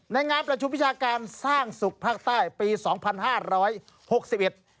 ในงานประชุมวิชาการสร้างศุกร์ภาคใต้ปี๒๕๖๑